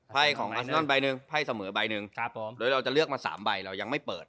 ไพ่ของอัชนอนใบหนึ่งไพ่เสมอใบหนึ่งหรือเราจะเลือกมาสามใบเรายังไม่เปิด